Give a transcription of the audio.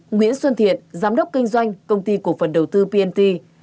bốn nguyễn xuân thiệt giám đốc kinh doanh công ty cổ phần đầu tư pnt